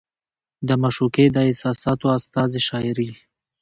د معشوقې د احساساتو استازې شاعري